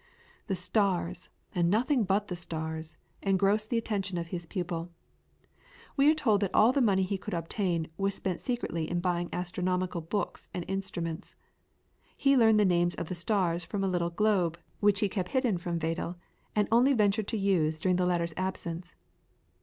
The stars, and nothing but the stars, engrossed the attention of his pupil. We are told that all the money he could obtain was spent secretly in buying astronomical books and instruments. He learned the name of the stars from a little globe, which he kept hidden from Vedel, and only ventured to use during the latter's absence.